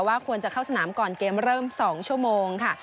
ว่าควรจะเข้าสนามก่อนเกมเริ่ม๒ชั่วโมงค่ะ